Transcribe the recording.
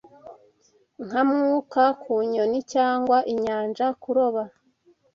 Nka mwuka ku nyoni, cyangwa inyanja kuroba